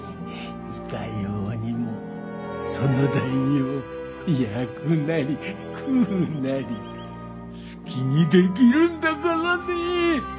いかようにもその大名焼くなり食うなり好きにできるんだからねえ！